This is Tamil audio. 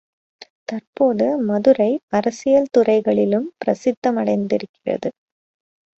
தற்போது மதுரை அரசியல் துறைகளிலும் பிரசித்த மடைந்திருக்கிறது.